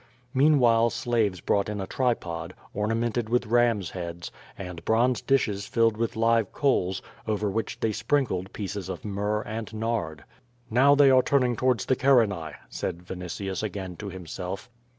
Meanwhile slaves brought in a tripod, ornamented with rams' heads, and bronze dishes filled with live coals, over which they sprinkled pieces of myrrh and nard. "Now they are turning towards the Carinae,'^ said Vini tins again to himself.